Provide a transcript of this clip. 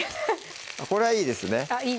これはいいですね